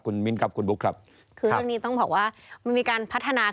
คุณมิ้นครับคุณปุ๊กครับค่ะคืออย่างนี้ต้องบอกว่ามีการพัฒนาขึ้นได้เยอะมาก